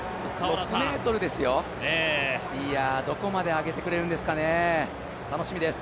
６ｍですよ、どこまで上げてくれるんですかね、楽しみです。